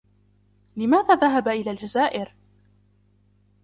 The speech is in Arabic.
لماذا ذهب إلى الجزائر؟